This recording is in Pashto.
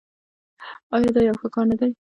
آیا دا یو ښه کار نه دی؟